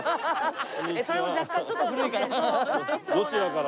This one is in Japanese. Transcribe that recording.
それも若干ちょっと古いから。